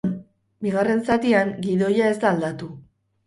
Bigarren zatian gidoia ez da aldatu.